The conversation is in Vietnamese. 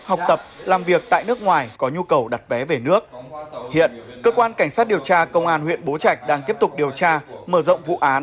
học tập làm việc tại nước ngoài có nhu cầu đặt vé về nước hiện cơ quan cảnh sát điều tra công an huyện bố trạch đang tiếp tục điều tra mở rộng vụ án